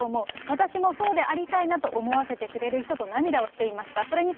私もそうでありたいなと思わせてくれる人と涙をしていました。